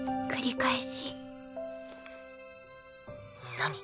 「何？」